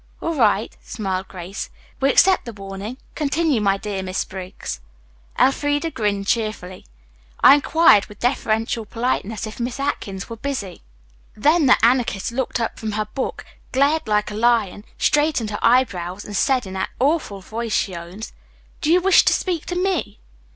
"All right," smiled Grace. "We accept the warning. Continue, my dear Miss Briggs." Elfreda grinned cheerfully. "I inquired with deferential politeness if Miss Atkins were busy. Then the Anarchist looked up from her book, glared like a lion, straightened her eyebrows and said in that awful voice she owns, 'Did you wish to speak to me?'"